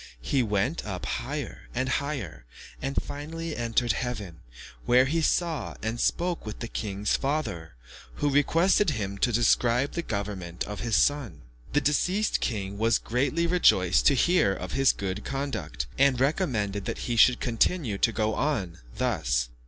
He went up higher and higher, and finally entered heaven, where he saw and spoke with the king's father, who requested him to describe the government of his son. The deceased king was greatly rejoiced to hear of his good conduct, and recommended that he should continue to go on thus.